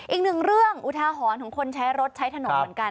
อีกหนึ่งเรื่องอุทาหรณ์ของคนใช้รถใช้ถนนเหมือนกัน